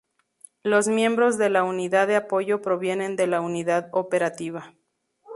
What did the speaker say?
Los miembros de la Unidad de Apoyo provienen de la Unidad Operativa.